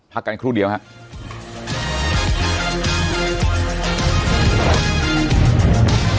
พักกันครู่เดียวครับ